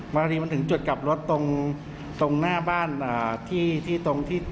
บางทีมันถึงจุดกลับรถตรงหน้าบ้านที่ตรงที่